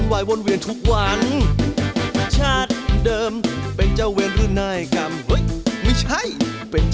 บางทีก็ขี้เหม็นเหมือนกันแล้ว